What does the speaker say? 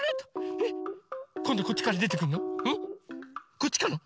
こっちかな？